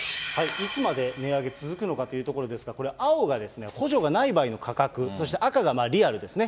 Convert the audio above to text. いつまで値上げ続くのかというところですが、これ、青がですね、補助がない場合の価格、そして、赤がリアルですね。